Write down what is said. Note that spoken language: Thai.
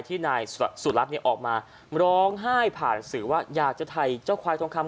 ที่นายสุรัตน์ออกมาร้องไห้ผ่านสื่อว่าอยากจะถ่ายเจ้าควายทองคำ